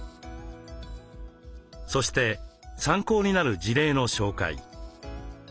そして参考になる事例の紹介。